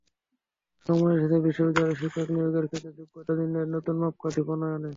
সময় এসেছে বিশ্ববিদ্যালয়ে শিক্ষক নিয়োগের ক্ষেত্রে যোগ্যতা নির্ণয়ের নতুন মাপকাঠি প্রণয়নের।